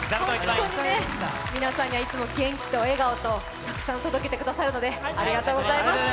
皆さんにはいつも元気と笑顔をたくさん届けてくださるのでありがとうございます。